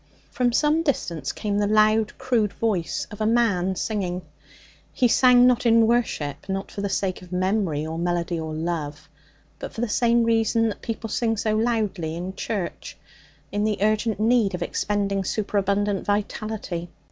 From some distance came the loud, crude voice of a man singing. He sang, not in worship, not for the sake of memory or melody or love, but for the same reason that people sing so loudly in church in the urgent need of expending superabundant vitality.